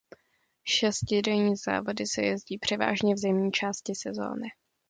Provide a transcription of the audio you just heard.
Šestidenní závody se jezdí převážně v zimní části sezóny.